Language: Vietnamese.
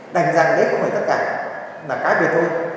đành giảng lễ của mọi tất cả là cá biệt thôi